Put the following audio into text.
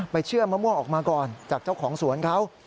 เชื่อมะม่วงออกมาก่อนจากเจ้าของสวนเขา